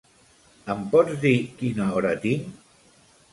Em pots dir quina hora tinc?